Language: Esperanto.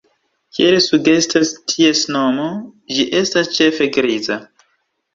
Kiel sugestas ties nomo, ĝi estas ĉefe griza.